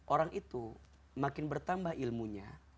orang itu makin bertambah ilmunya